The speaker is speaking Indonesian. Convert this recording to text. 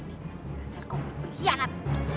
biasa kamu pengkhianat